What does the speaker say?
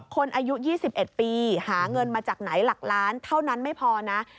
คนอายุ๒๑ปีหาเงินมาจากไหนหลักล้านเท่านั้นไม่พอนะ